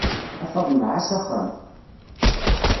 A Faḍma, εass axxam!